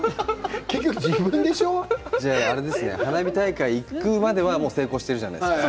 笑い声花火大会に行くまでは成功しているじゃないですか。